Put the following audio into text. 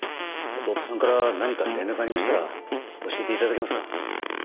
弟さんから何か連絡ありましたら教えて頂けますか？